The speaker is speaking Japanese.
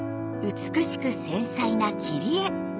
美しく繊細な切り絵！